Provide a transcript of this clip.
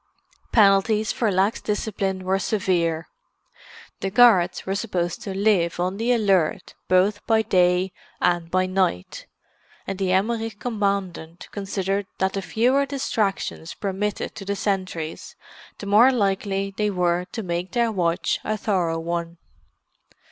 Penalties for lax discipline were severe; the guards were supposed to live on the alert both by day and by night, and the Emmerich commandant considered that the fewer distractions permitted to the sentries, the more likely they were to make their watch a thorough one.